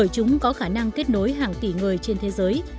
chúng có khả năng kết nối hàng tỷ người trên thế giới